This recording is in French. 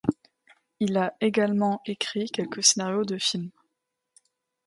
Il a également écrit quelques scénarios de films.